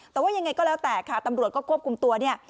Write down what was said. แต่ว่ายังไงก็แล้วแต่ค่ะตำรวจก็ควบคุมตัวเนี่ย